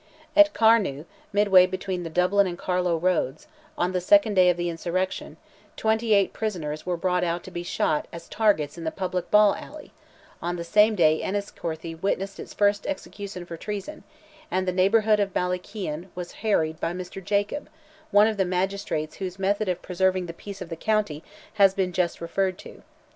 At Carnew, midway between the Dublin and Carlow roads, on the second day of the insurrection, twenty eight prisoners were brought out to be shot at as targets in the public ball alley; on the same day Enniscorthy witnessed its first execution for treason, and the neighbourhood of Ballaghkeen was harried by Mr. Jacob, one of the magistrates whose method of preserving the peace of the county has been just referred to.